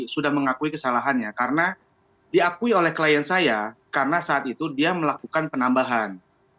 sudah mengakui kesalahannya karena diakui oleh klien saya karena saat itu dia melakukan penambahan